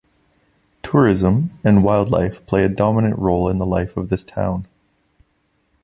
Tourism and wildlife play a dominant role in the life of this town.